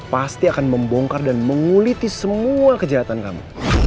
pasti akan membongkar dan menguliti semua kejahatan kamu